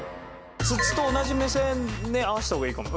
筒と同じ目線で合わせた方がいいかも。